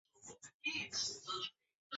瓦勒丹门人口变化图示